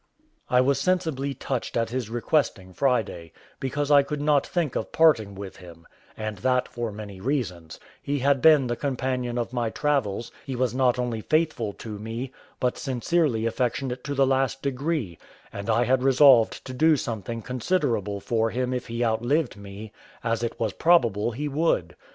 I was sensibly touched at his requesting Friday, because I could not think of parting with him, and that for many reasons: he had been the companion of my travels; he was not only faithful to me, but sincerely affectionate to the last degree; and I had resolved to do something considerable for him if he out lived me, as it was probable he would.